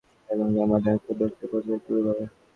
বুধবার রাত নয়টার দিকে সেখানকার মাটির অংশটি ধসে পড়তে শুরু করে।